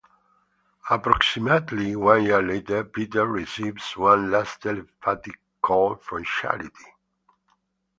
Approximately one year later, Peter receives one last telepathic call from Charity.